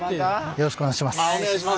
よろしくお願いします。